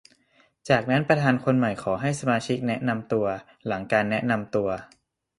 จากนั้นประธานคนใหม่ขอให้สมาชิกแนะนำตัว หลังการแนะนำตัว